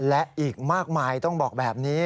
และอีกมากมายต้องบอกแบบนี้